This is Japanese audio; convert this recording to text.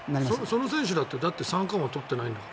その選手だって三冠王取ってないんだから。